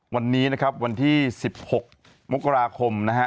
วันนี้นะครับวันที่๑๖มกราคมนะฮะ